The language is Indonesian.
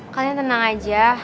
kalian tenang aja